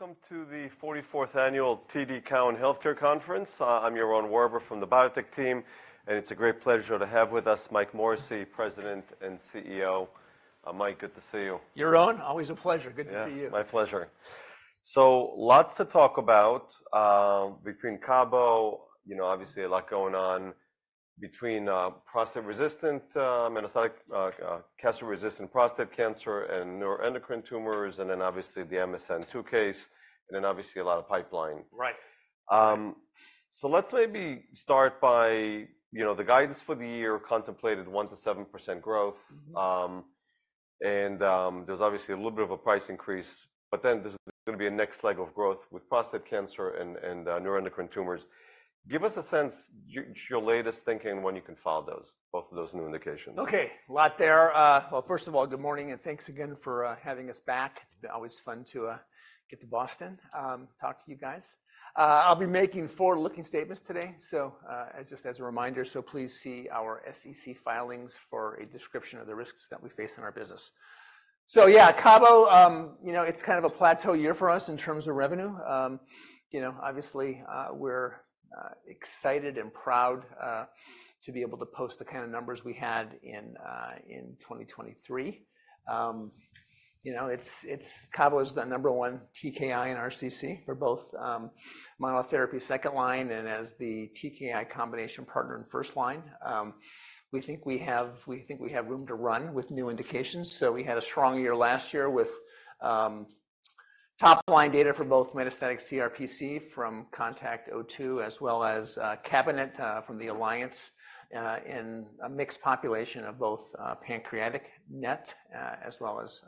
Welcome to the 44th annual TD Cowen Healthcare Conference. I'm Yaron Werber from the biotech team, and it's a great pleasure to have with us Mike Morrissey, President and CEO. Mike, good to see you. Yaron, always a pleasure. Good to see you. Yeah, my pleasure. So lots to talk about, between CABO, you know, obviously a lot going on between castration-resistant metastatic prostate cancer and neuroendocrine tumors, and then obviously the MSN case, and then obviously a lot of pipeline. Right. Let's maybe start by, you know, the guidance for the year contemplated 1%-7% growth. Mm-hmm. and, there's obviously a little bit of a price increase, but then there's gonna be a next leg of growth with prostate cancer and neuroendocrine tumors. Give us a sense of your latest thinking on when you can file those, both of those new indications. Okay, a lot there. Well, first of all, good morning and thanks again for having us back. It's always fun to get to Boston, talk to you guys. I'll be making forward-looking statements today, so just as a reminder, please see our SEC filings for a description of the risks that we face in our business. So yeah, CABO, you know, it's kind of a plateau year for us in terms of revenue. You know, obviously, we're excited and proud to be able to post the kind of numbers we had in 2023. You know, it's CABO is the number one TKI in RCC for both monotherapy second line and as the TKI combination partner in first line. We think we have room to run with new indications. So we had a strong year last year with top line data for both metastatic CRPC from CONTACT-02 as well as CABINET from the Alliance in a mixed population of both pancreatic NET as well as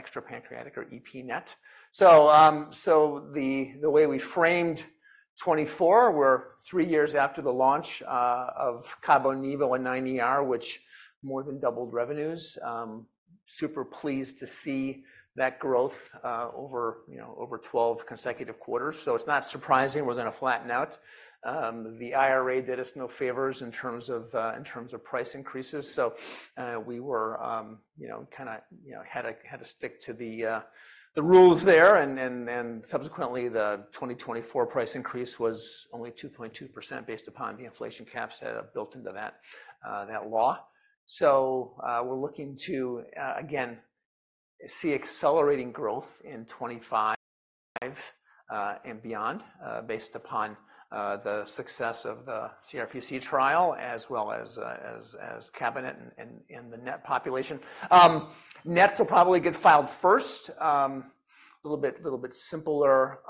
extrapancreatic or epNET. So the way we framed 2024, we're three years after the launch of CABO nivo and 9ER, which more than doubled revenues. Super pleased to see that growth over you know over 12 consecutive quarters. So it's not surprising we're going to flatten out. The IRA did us no favors in terms of in terms of price increases. So we were you know kind of you know had to stick to the rules there and subsequently the 2024 price increase was only 2.2% based upon the inflation caps that are built into that law. So, we're looking to again see accelerating growth in 2025 and beyond, based upon the success of the CRPC trial as well as CABINET and the NET population. NETs will probably get filed first. A little bit simpler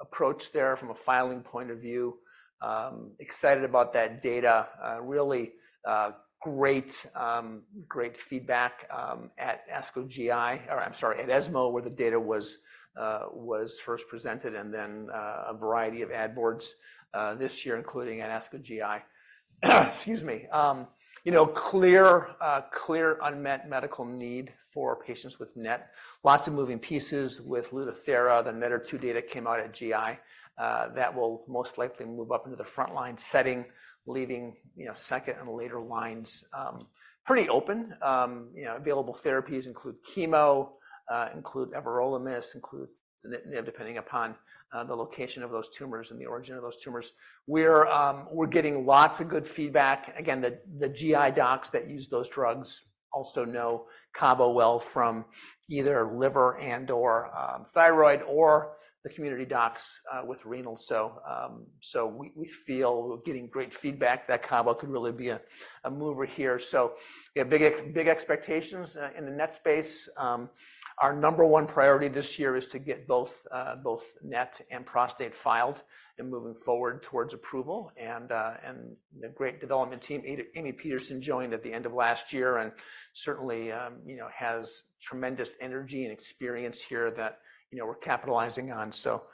approach there from a filing point of view. Excited about that data. Really great feedback at ASCO GI or I'm sorry, at ESMO where the data was first presented and then a variety of ad boards this year including at ASCO GI. Excuse me. You know, clear unmet medical need for patients with NET. Lots of moving pieces with Lutathera. The NETTER-2 data came out at GI. That will most likely move up into the front line setting, leaving you know, second and later lines pretty open. You know, available therapies include chemo, include everolimus, includes depending upon the location of those tumors and the origin of those tumors. We're, we're getting lots of good feedback. Again, the, the GI docs that use those drugs also know CABO well from either liver and/or thyroid or the community docs with renal. So, so we, we feel we're getting great feedback that CABO could really be a, a mover here. So we have big, big expectations in the NET space. Our number one priority this year is to get both, both NET and prostate filed and moving forward towards approval and, and a great development team. Amy Peterson joined at the end of last year and certainly, you know, has tremendous energy and experience here that, you know, we're capitalizing on. So,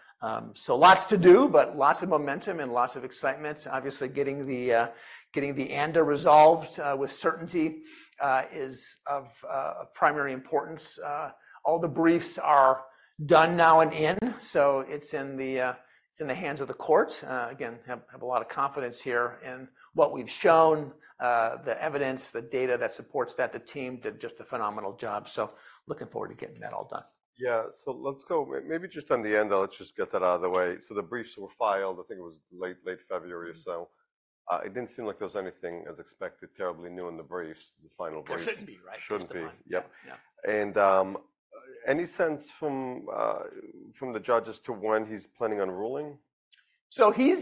so lots to do but lots of momentum and lots of excitement. Obviously getting the ANDA resolved with certainty is of primary importance. All the briefs are done now and in. So it's in the hands of the court. Again, have a lot of confidence here in what we've shown, the evidence, the data that supports that. The team did just a phenomenal job. So looking forward to getting that all done. Yeah, so let's go maybe just on the end. I'll just get that out of the way. So the briefs were filed, I think it was late, late February or so. It didn't seem like there was anything as expected terribly new in the briefs, the final briefs. There shouldn't be, right? Shouldn't be. Yep. Any sense from the judges to when he's planning on ruling? So he,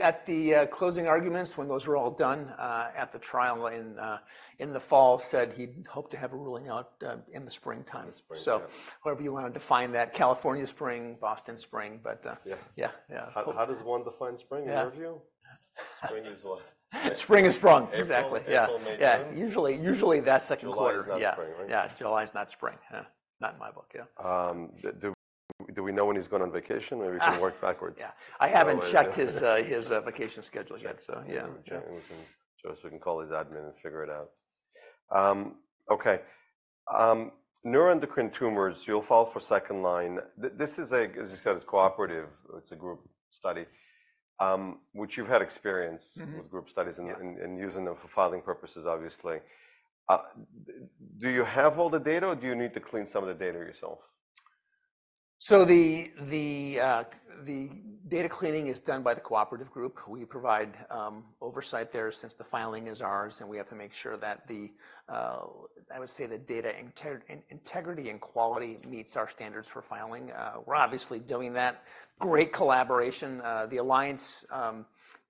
at the closing arguments when those were all done, at the trial in the fall said he'd hope to have a ruling out in the springtime. So however you want to define that, California spring, Boston spring, but yeah, yeah. How does one define spring in your view? Spring is what? Spring is sprung. Exactly. Yeah. Yeah, usually, usually that second quarter. July is not spring, right? Yeah, July is not spring. Yeah, not in my book. Yeah. Do we know when he's gone on vacation or we can work backwards? Yeah, I haven't checked his vacation schedule yet, so yeah. We can just call his admin and figure it out. Okay. Neuroendocrine tumors, you'll file for second line. This is a, as you said, it's cooperative, it's a group study, which you've had experience with group studies and using them for filing purposes, obviously. Do you have all the data or do you need to clean some of the data yourself? So the data cleaning is done by the cooperative group. We provide oversight there since the filing is ours and we have to make sure that the data integrity and quality meets our standards for filing. We're obviously doing that. Great collaboration. The Alliance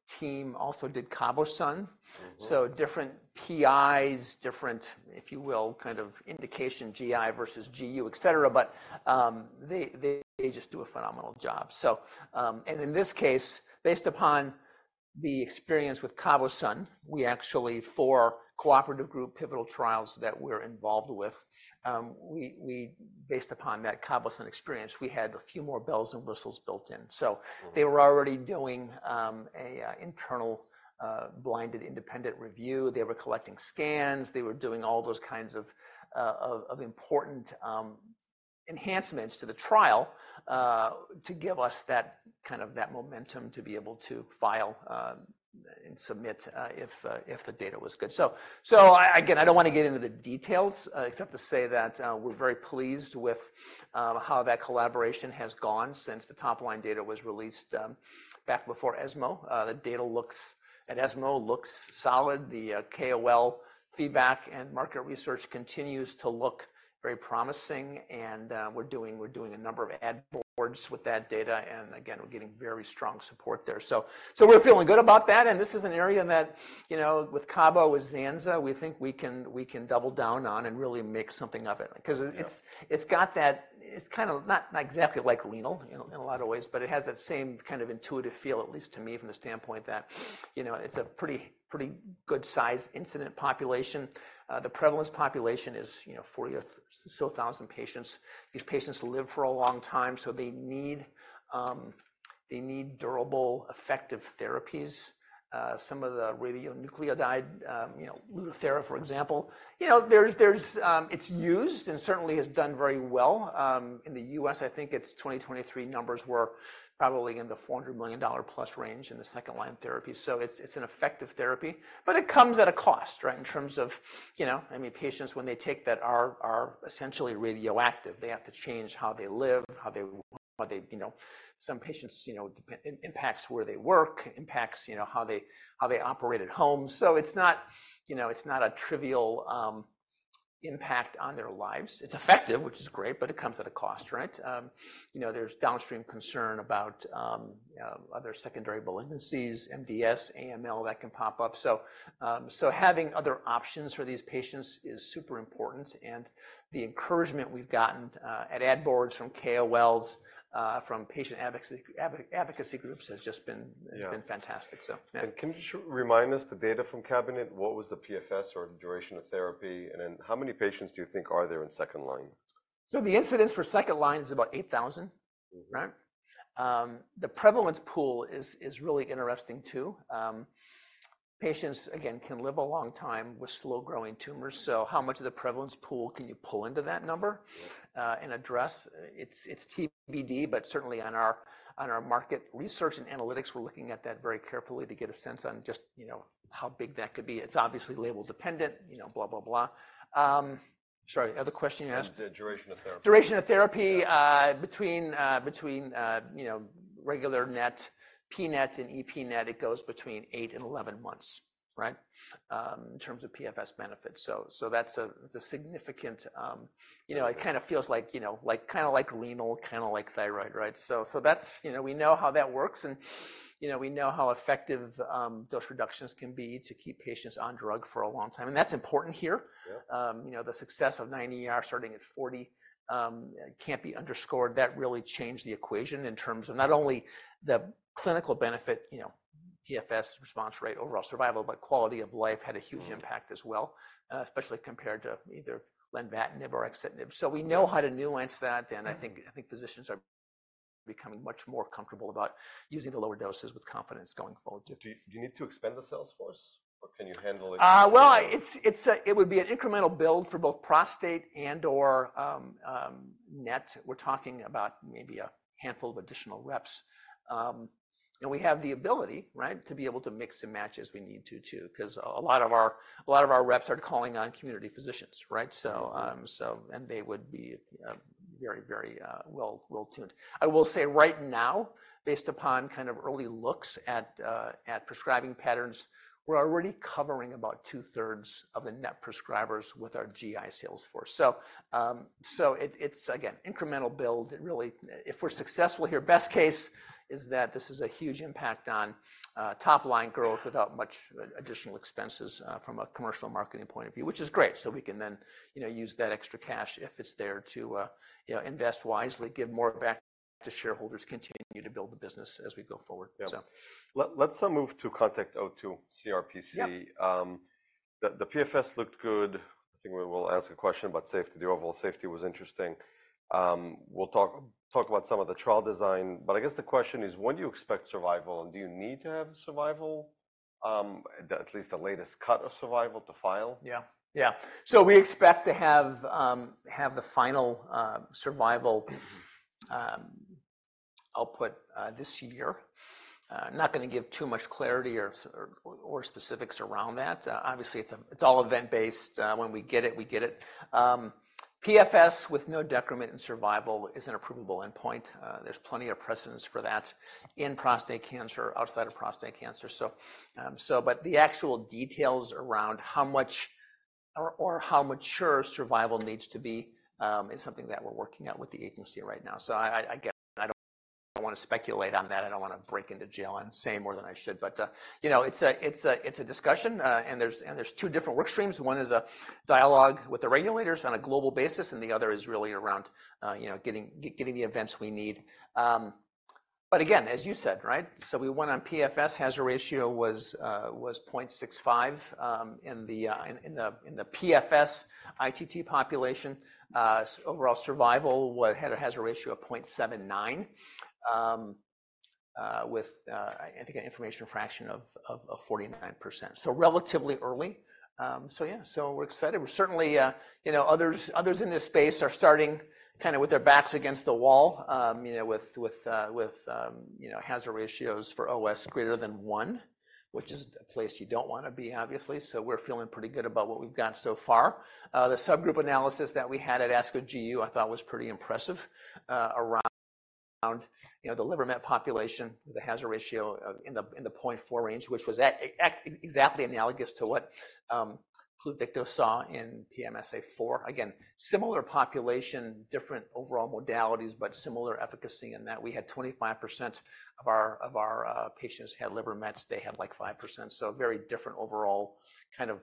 team also did CABOSUN. So different PIs, different, if you will, kind of indication GI versus GU, etc., but they just do a phenomenal job. So, and in this case, based upon the experience with CABOSUN, we actually for cooperative group pivotal trials that we're involved with, we based upon that CABOSUN experience, we had a few more bells and whistles built in. So they were already doing an internal blinded independent review. They were collecting scans. They were doing all those kinds of important enhancements to the trial to give us that kind of momentum to be able to file and submit if the data was good. So, again, I don't want to get into the details, except to say that we're very pleased with how that collaboration has gone since the top line data was released back before ESMO. The data at ESMO looks solid. The KOL feedback and market research continues to look very promising, and we're doing a number of ad boards with that data, and again, we're getting very strong support there. So, we're feeling good about that and this is an area that, you know, with CABO with Zanza, we think we can double down on and really make something of it because it's got that it's kind of not exactly like renal in a lot of ways, but it has that same kind of intuitive feel, at least to me, from the standpoint that, you know, it's a pretty good-size incidence population. The prevalence population is, you know, 40,000 or so patients. These patients live for a long time, so they need durable, effective therapies. Some of the radionuclide, you know, Lutathera, for example, you know, there's, it's used and certainly has done very well. In the U.S., I think its 2023 numbers were probably in the $400 million+ range in the second-line therapy. So it's an effective therapy, but it comes at a cost, right, in terms of, you know, I mean, patients when they take that are essentially radioactive. They have to change how they live, how they, you know, some patients, you know, it impacts where they work, impacts, you know, how they operate at home. So it's not, you know, it's not a trivial impact on their lives. It's effective, which is great, but it comes at a cost, right? You know, there's downstream concern about, you know, other secondary malignancies, MDS, AML that can pop up. So having other options for these patients is super important and the encouragement we've gotten at ad boards from KOLs, from patient advocacy groups has just been fantastic. So, yeah. Can you just remind us the data from CABINET, what was the PFS or duration of therapy and then how many patients do you think are there in second line? So the incidence for second line is about 8,000, right? The prevalence pool is really interesting too. Patients, again, can live a long time with slow-growing tumors, so how much of the prevalence pool can you pull into that number, and address? It's TBD, but certainly on our market research and analytics, we're looking at that very carefully to get a sense on just, you know, how big that could be. It's obviously label dependent, you know, blah, blah, blah. Sorry, other question you asked? The duration of therapy. Duration of therapy, between, you know, regular NET, pNET and epNET, it goes between 8 and 11 months, right, in terms of PFS benefits. So, that's a, it's a significant, you know, it kind of feels like, you know, like kind of like renal, kind of like thyroid, right? So, that's, you know, we know how that works and, you know, we know how effective dose reductions can be to keep patients on drug for a long time and that's important here. You know, the success of 9ER starting at 40 can't be underscored. That really changed the equation in terms of not only the clinical benefit, you know, PFS response rate, overall survival, but quality of life had a huge impact as well, especially compared to either lenvatinib or axitinib. We know how to nuance that and I think, I think physicians are becoming much more comfortable about using the lower doses with confidence going forward. Do you need to expand the sales force or can you handle it? Well, it would be an incremental build for both prostate and/or NET. We're talking about maybe a handful of additional reps, and we have the ability, right, to be able to mix and match as we need to too because a lot of our reps are calling on community physicians, right? So, and they would be very well tuned. I will say right now, based upon kind of early looks at prescribing patterns, we're already covering about two-thirds of the NET prescribers with our GI sales force. So, it's again, incremental build. It really if we're successful here, best case is that this is a huge impact on top line growth without much additional expenses, from a commercial marketing point of view, which is great. So we can then, you know, use that extra cash if it's there to, you know, invest wisely, give more back to shareholders, continue to build the business as we go forward. Yeah. Let's move to CONTACT-02, CRPC. The PFS looked good. I think we'll ask a question about safety. The overall safety was interesting. We'll talk about some of the trial design, but I guess the question is when do you expect survival and do you need to have survival, at least the latest cut of survival to file? Yeah, yeah. So we expect to have the final survival output this year. Not going to give too much clarity or specifics around that. Obviously it's all event-based. When we get it, we get it. PFS with no decrement in survival is an approvable endpoint. There's plenty of precedence for that in prostate cancer, outside of prostate cancer. But the actual details around how much or how mature survival needs to be is something that we're working out with the agency right now. So I guess I don't want to speculate on that. I don't want to break into jail and say more than I should, but you know, it's a discussion, and there's two different work streams. One is a dialogue with the regulators on a global basis and the other is really around, you know, getting, getting the events we need. But again, as you said, right, so we went on PFS. Hazard ratio was, was 0.65, in the, in the in the PFS ITT population. Overall survival had a hazard ratio of 0.79, with, I think an information fraction of, of, of 49%. So relatively early. So yeah, so we're excited. We're certainly, you know, others, others in this space are starting kind of with their backs against the wall, you know, with, with, with, you know, hazard ratios for OS greater than one, which is a place you don't want to be, obviously. So we're feeling pretty good about what we've got so far. The subgroup analysis that we had at ASCO GU I thought was pretty impressive, around, you know, the liver met population, the hazard ratio in the 0.4 range, which was exactly analogous to what Pluvicto saw in PSMAfore. Again, similar population, different overall modalities, but similar efficacy in that. We had 25% of our patients had liver mets. They had like 5%. So very different overall kind of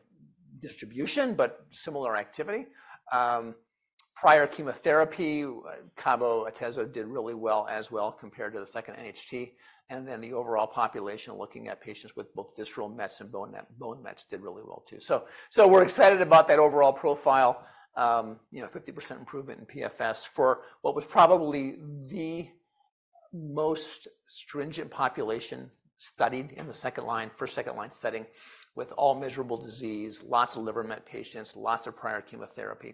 distribution but similar activity. Prior chemotherapy, CABO Tecentriq did really well as well compared to the second NHT and then the overall population looking at patients with both visceral mets and bone mets did really well too. So, we're excited about that overall profile, you know, 50% improvement in PFS for what was probably the most stringent population studied in the second line, first second line setting with all measurable disease, lots of liver met patients, lots of prior chemotherapy.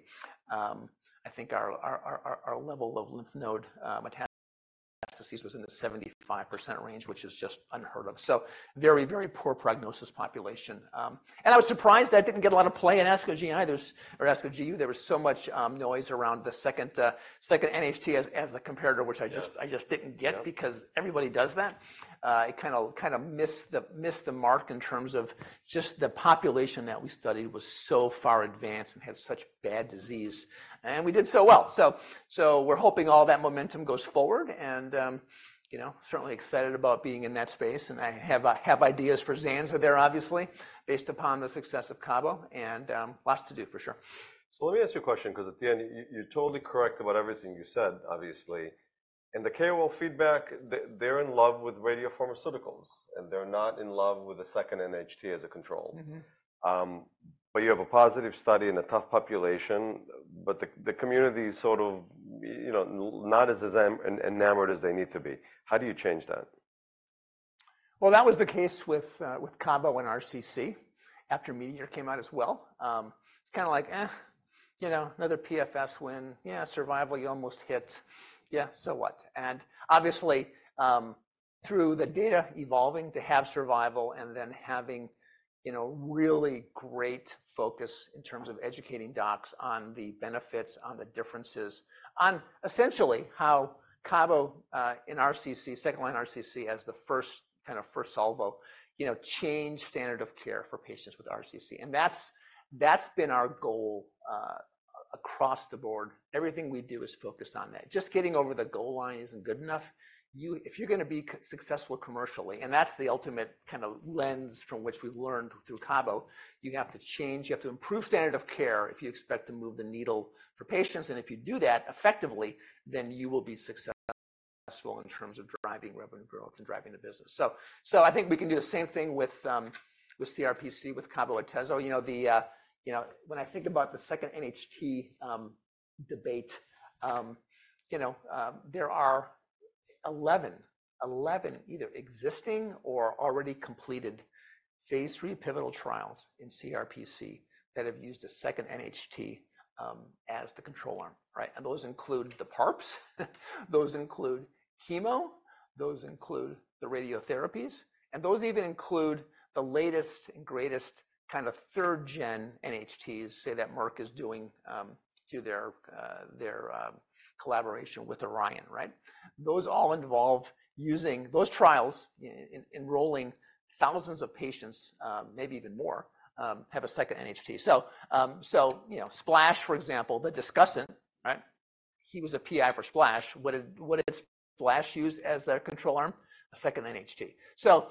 I think our level of lymph node metastasis was in the 75% range, which is just unheard of. So very, very poor prognosis population. I was surprised that didn't get a lot of play in ASCO GI or ASCO GU. There was so much noise around the second NHT as a comparator, which I just didn't get because everybody does that. It kind of missed the mark in terms of just the population that we studied was so far advanced and had such bad disease and we did so well. So, we're hoping all that momentum goes forward and, you know, certainly excited about being in that space and I have ideas for Zanza there, obviously, based upon the success of CABO, and lots to do for sure. Let me ask you a question because at the end you're totally correct about everything you said, obviously. In the KOL feedback, they're in love with radiopharmaceuticals and they're not in love with the second NHT as a control. But you have a positive study in a tough population, but the community is sort of, you know, not as enamored as they need to be. How do you change that? Well, that was the case with, with CABO and RCC after METEOR came out as well. It's kind of like, you know, another PFS win. Yeah, survival, you almost hit. Yeah, so what? And obviously, through the data evolving to have survival and then having, you know, really great focus in terms of educating docs on the benefits, on the differences, on essentially how CABO, in RCC, second line RCC as the first kind of first solvo, you know, changed standard of care for patients with RCC and that's, that's been our goal, across the board. Everything we do is focused on that. Just getting over the goal line isn't good enough. You if you're going to be successful commercially, and that's the ultimate kind of lens from which we've learned through CABO, you have to change. You have to improve standard of care if you expect to move the needle for patients and if you do that effectively, then you will be successful in terms of driving revenue growth and driving the business. So, so I think we can do the same thing with, with CRPC, with CABO Atezo. You know, the, you know, when I think about the second NHT debate, you know, there are 11, 11 either existing or already completed phase 3 pivotal trials in CRPC that have used a second NHT, as the control arm, right? And those include the PARPs, those include chemo, those include the radiotherapies, and those even include the latest and greatest kind of third gen NHTs, say that Merck is doing, through their, their, collaboration with Orion, right? Those all involve using those trials, enrolling thousands of patients, maybe even more, have a second NHT. So, you know, SPLASH, for example, the discussant, right, he was a PI for SPLASH. What did SPLASH use as a control arm? A second NHT. So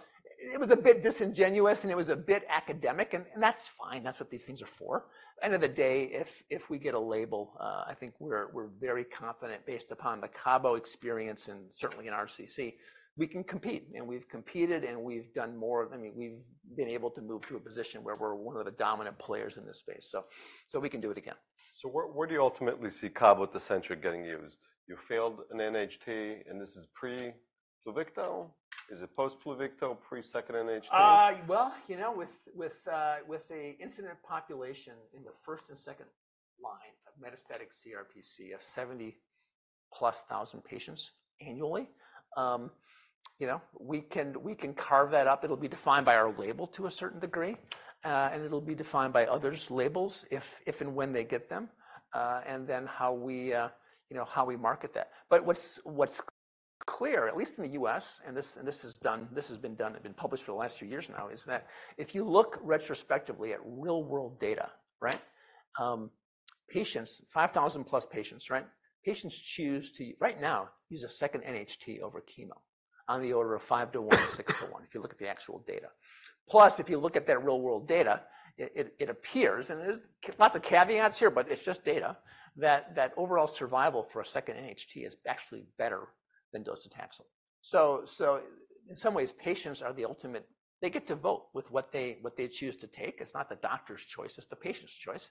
it was a bit disingenuous and it was a bit academic and that's fine. That's what these things are for. End of the day, if we get a label, I think we're very confident based upon the CABO experience and certainly in RCC, we can compete and we've competed and we've done more. I mean, we've been able to move to a position where we're one of the dominant players in this space. So we can do it again. So where do you ultimately see CABO at the center getting used? You failed an NHT and this is pre-Pluvicto? Is it post-Pluvicto, pre-second NHT? Well, you know, with the incidence population in the first and second line of metastatic CRPC of 70,000+ patients annually, you know, we can carve that up. It'll be defined by our label to a certain degree, and it'll be defined by others' labels if, if and when they get them, and then how we, you know, how we market that. But what's clear, at least in the U.S., and this has been done. It's been published for the last few years now, is that if you look retrospectively at real-world data, right, patients, 5,000+ patients, right, patients choose to right now use a second NHT over chemo on the order of 5-to-1, 6-to-1 if you look at the actual data. Plus, if you look at that real-world data, it appears and there's lots of caveats here, but it's just data that overall survival for a second NHT is actually better than docetaxel. So in some ways, patients are the ultimate they get to vote with what they choose to take. It's not the doctor's choice. It's the patient's choice.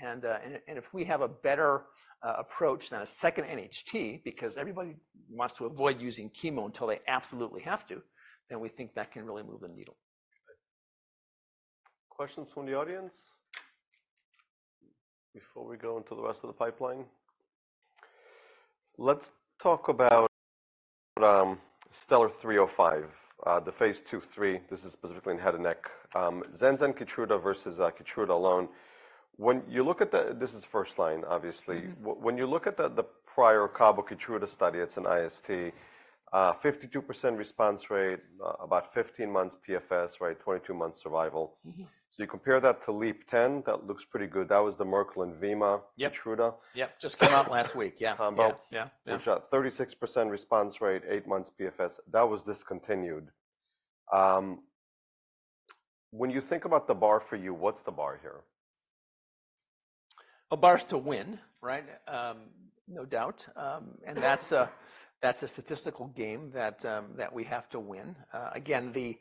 And if we have a better approach than a second NHT because everybody wants to avoid using chemo until they absolutely have to, then we think that can really move the needle. Questions from the audience before we go into the rest of the pipeline? Let's talk about Stellar-305, the phase 2/3. This is specifically in head and neck. Zanzalintinib, Keytruda versus Keytruda alone. When you look at this, this is first line, obviously. When you look at the prior CABO Keytruda study, it's an IST, 52% response rate, about 15 months PFS, right, 22 months survival. So you compare that to LEAP-010, that looks pretty good. That was the Merck and Lenvima Keytruda. Yep, yep. Just came out last week. Yeah. CABO, which had 36% response rate, eight months PFS. That was discontinued. When you think about the bar for you, what's the bar here? A bar is to win, right? No doubt. And that's, that's a statistical game that, that we have to win. Again, the,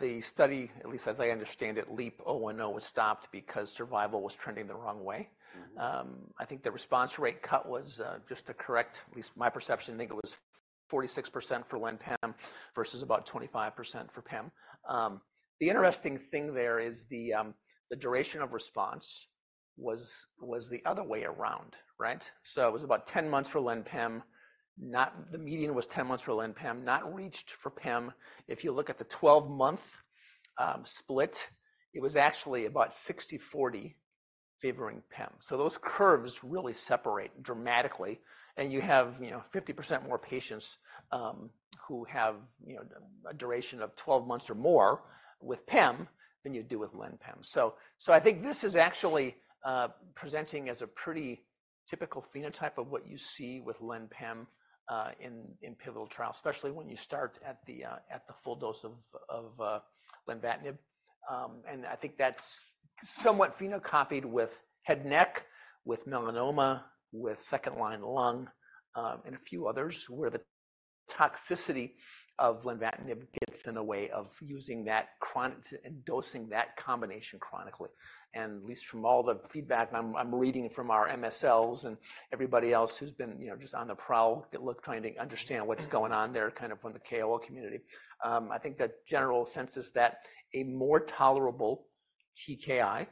the study, at least as I understand it, LEAP-010 was stopped because survival was trending the wrong way. I think the response rate cut was, just to correct, at least my perception, I think it was 46% for LenPem versus about 25% for PEM. The interesting thing there is the, the duration of response was, was the other way around, right? So it was about 10 months for LenPem, not, the median was 10 months for LenPem, not reached for PEM. If you look at the 12-month split, it was actually about 60/40 favoring PEM. So those curves really separate dramatically and you have, you know, 50% more patients who have, you know, a duration of 12 months or more with PEM than you do with LenPem. So, I think this is actually presenting as a pretty typical phenotype of what you see with LenPem in pivotal trials, especially when you start at the full dose of lenvatinib. And I think that's somewhat phenocopied with head and neck, with melanoma, with second line lung, and a few others where the toxicity of lenvatinib gets in the way of using that chronic and dosing that combination chronically. At least from all the feedback I'm reading from our MSLs and everybody else who's been, you know, just on the prowl, look trying to understand what's going on there kind of from the KOL community, I think the general sense is that a more tolerable TKI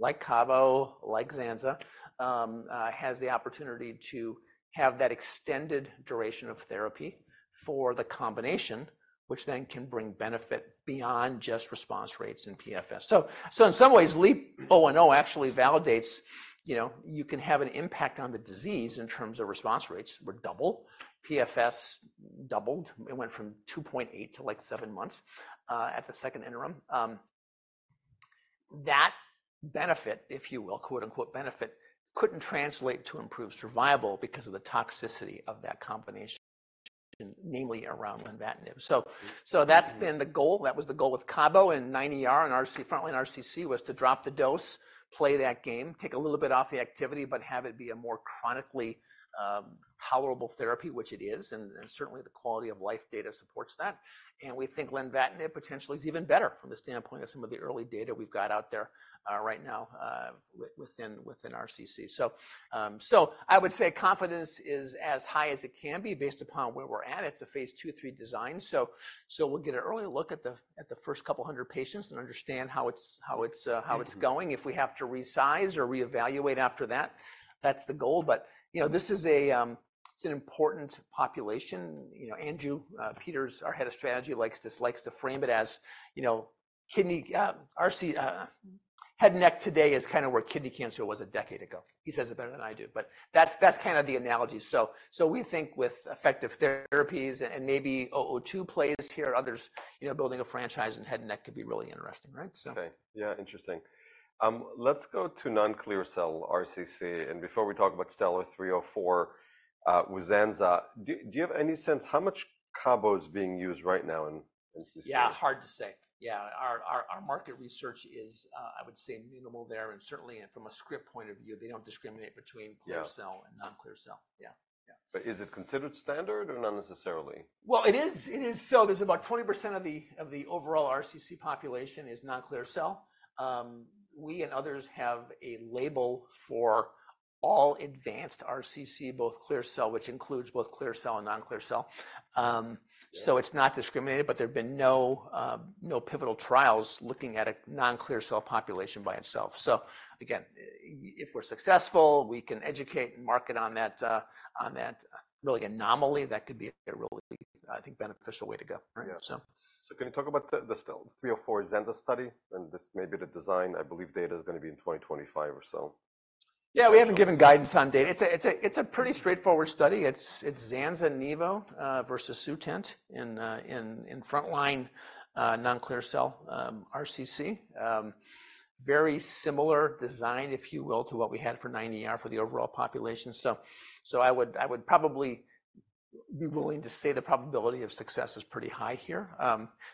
like CABO, like Zanza, has the opportunity to have that extended duration of therapy for the combination, which then can bring benefit beyond just response rates and PFS. So in some ways, LEAP010 actually validates, you know, you can have an impact on the disease in terms of response rates. We're double. PFS doubled. It went from 2.8 to like 7 months, at the second interim. That benefit, if you will, "benefit," couldn't translate to improved survival because of the toxicity of that combination, namely around lenvatinib. So that's been the goal. That was the goal with CABO and 9ER and RCC frontline RCC was to drop the dose, play that game, take a little bit off the activity, but have it be a more chronically tolerable therapy, which it is, and certainly the quality of life data supports that. And we think lenvatinib potentially is even better from the standpoint of some of the early data we've got out there right now within RCC. So I would say confidence is as high as it can be based upon where we're at. It's a phase two, three design. So we'll get an early look at the first couple hundred patients and understand how it's going. If we have to resize or reevaluate after that, that's the goal. But you know, this is a, it's an important population. You know, Andrew Peters, our head of strategy, likes to frame it as, you know, kidney RCC, head and neck today is kind of where kidney cancer was a decade ago. He says it better than I do, but that's, that's kind of the analogy. So, so we think with effective therapies and maybe XB002 plays here, others, you know, building a franchise in head and neck could be really interesting, right? So. Okay. Yeah, interesting. Let's go to non-clear cell RCC and before we talk about STELLAR-304, with Zanza, do you have any sense how much CABO is being used right now in, in CC? Yeah, hard to say. Yeah. Our market research is, I would say, minimal there and certainly from a script point of view, they don't discriminate between clear cell and non-clear cell. Yeah, yeah. But is it considered standard or not necessarily? Well, it is. It is. So there's about 20% of the of the overall RCC population is non-clear cell. We and others have a label for all advanced RCC, both clear cell, which includes both clear cell and non-clear cell. So it's not discriminated, but there have been no, no pivotal trials looking at a non-clear cell population by itself. So again, if we're successful, we can educate and market on that, on that really anomaly that could be a really, I think, beneficial way to go, right? So. So can you talk about the STELLAR-304 Zanza study and this maybe the design? I believe data is going to be in 2025 or so. Yeah, we haven't given guidance on data. It's a pretty straightforward study. It's Zanza Nivo, versus Sutent in frontline, non-clear cell, RCC. Very similar design, if you will, to what we had for 9ER for the overall population. So I would probably be willing to say the probability of success is pretty high here.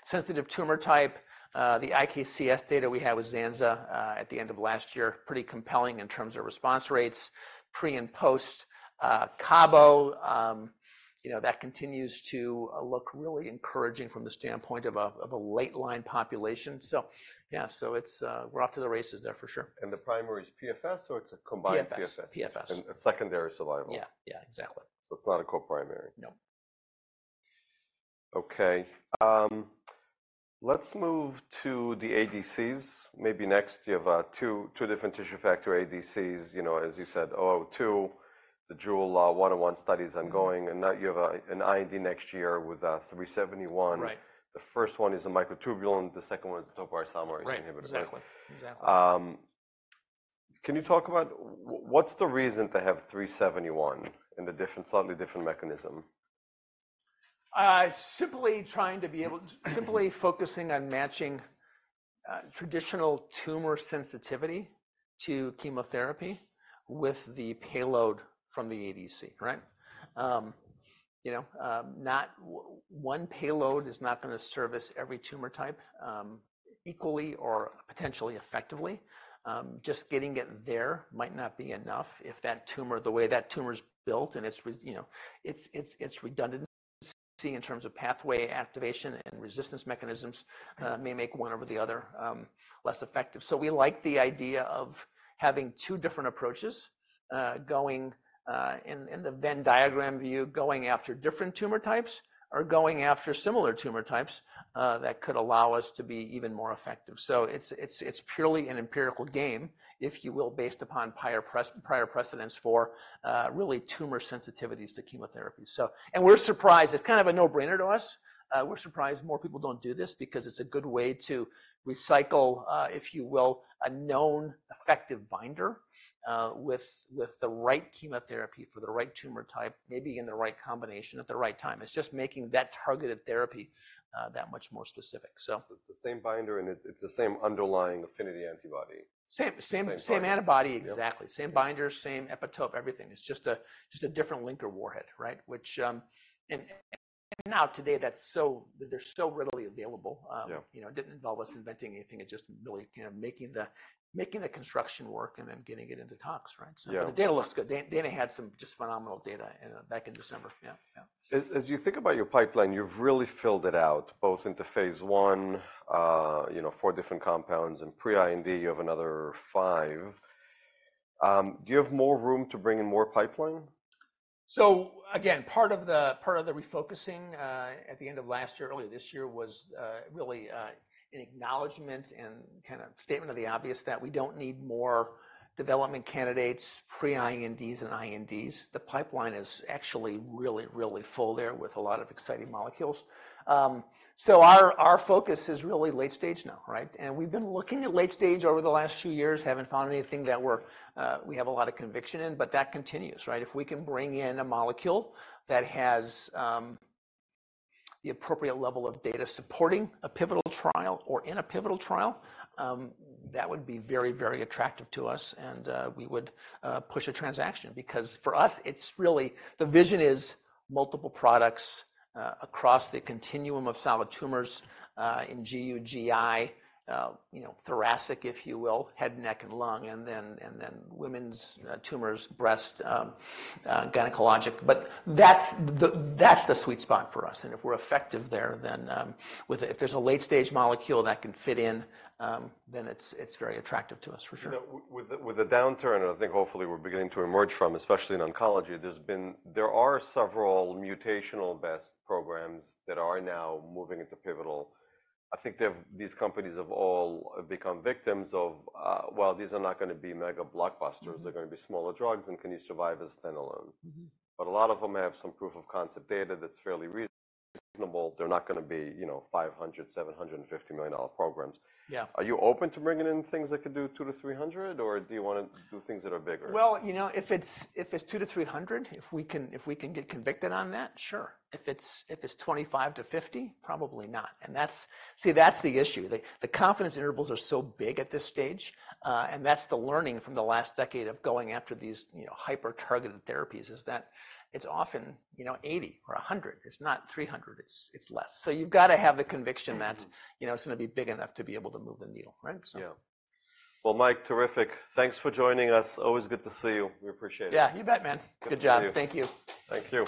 Sensitive tumor type, the IKCS data we had with Zanza, at the end of last year, pretty compelling in terms of response rates, pre and post, CABO, you know, that continues to look really encouraging from the standpoint of a late line population. So yeah, so it's, we're off to the races there for sure. The primary is PFS, so it's a combined PFS and a secondary survival? Yeah, yeah, exactly. It's not a co-primary? No. Okay. Let's move to the ADCs. Maybe next you have two different tissue factor ADCs. You know, as you said, 002, the JEWEL-101 study is ongoing and now you have an IND next year with a 371. The first one is a microtubule, the second one is a topoisomerase inhibitor. Right. Exactly. Exactly. Can you talk about what's the reason to have 371 and the different slightly different mechanism? Simply trying to be able to simply focusing on matching traditional tumor sensitivity to chemotherapy with the payload from the ADC, right? You know, not one payload is not going to service every tumor type equally or potentially effectively. Just getting it there might not be enough if that tumor the way that tumor's built and it's, you know, redundancy in terms of pathway activation and resistance mechanisms may make one over the other less effective. So we like the idea of having two different approaches going in the Venn diagram view, going after different tumor types or going after similar tumor types that could allow us to be even more effective. So it's purely an empirical game, if you will, based upon prior precedents for really tumor sensitivities to chemotherapy. So and we're surprised. It's kind of a no-brainer to us. We're surprised more people don't do this because it's a good way to recycle, if you will, a known effective binder with the right chemotherapy for the right tumor type, maybe in the right combination at the right time. It's just making that targeted therapy, that much more specific. So. It's the same binder and it's the same underlying affinity antibody? Same, same, same antibody. Exactly. Same binder, same epitope, everything. It's just a different linker warhead, right? Which, and now today that's so they're so readily available, you know. It didn't involve us inventing anything. It just really kind of making the construction work and then getting it into talks, right? So the data looks good. Dana had some just phenomenal data back in December. Yeah, yeah. As you think about your pipeline, you've really filled it out both into phase one, you know, four different compounds and pre-IND you have another five. Do you have more room to bring in more pipeline? So again, part of the part of the refocusing, at the end of last year, earlier this year, was really an acknowledgment and kind of statement of the obvious that we don't need more development candidates, pre-INDs and INDs. The pipeline is actually really, really full there with a lot of exciting molecules. So our, our focus is really late stage now, right? And we've been looking at late stage over the last few years, haven't found anything that we're, we have a lot of conviction in, but that continues, right? If we can bring in a molecule that has the appropriate level of data supporting a pivotal trial or in a pivotal trial, that would be very, very attractive to us and we would push a transaction because for us, it's really the vision is multiple products, across the continuum of solid tumors, in GU, GI, you know, thoracic, if you will, head and neck and lung, and then and then women's tumors, breast, gynecologic. But that's the that's the sweet spot for us. And if we're effective there, then with a if there's a late stage molecule that can fit in, then it's, it's very attractive to us for sure. You know, with the downturn and I think hopefully we're beginning to emerge from, especially in oncology, there are several mutational best programs that are now moving into pivotal. I think they've these companies have all become victims of, well, these are not going to be mega blockbusters. They're going to be smaller drugs and can you survive as thin alone? But a lot of them have some proof of concept data that's fairly reasonable. They're not going to be, you know, $500 million-$750 million programs. Are you open to bringing in things that could do $200-$300 or do you want to do things that are bigger? Well, you know, if it's if it's $200-$300, if we can if we can get convicted on that, sure. If it's if it's $25-$50, probably not. And that's see, that's the issue. The confidence intervals are so big at this stage, and that's the learning from the last decade of going after these, you know, hyper-targeted therapies is that it's often, you know, $80 or $100. It's not $300. It's less. So you've got to have the conviction that, you know, it's going to be big enough to be able to move the needle, right? So. Yeah. Well, Mike, terrific. Thanks for joining us. Always good to see you. We appreciate it. Yeah, you bet, man. Good job. Thank you. Thank you.